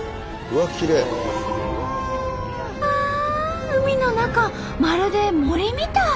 ああ海の中まるで森みたい！